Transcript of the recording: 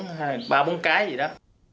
ba bốn cái gì đó